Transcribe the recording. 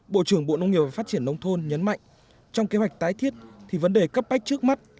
bộ trưởng bộ nông nghiệp và phát triển nông thôn nhấn mạnh trong kế hoạch tái thiết thì vấn đề cấp bách trước mắt